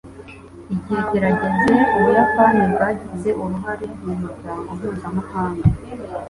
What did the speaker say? Igihe kirageze Ubuyapani bwagize uruhare mumuryango mpuzamahanga